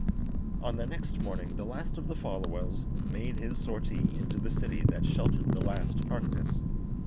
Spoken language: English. On the next morning the last of the Folwells made his sortie into the city that sheltered the last Harkness.